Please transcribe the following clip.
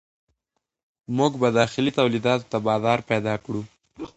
موږ به داخلي تولیداتو ته بازار پیدا کړو.